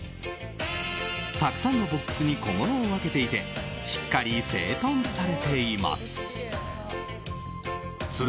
たくさんのボックスに小物を分けていてしっかり整頓されています。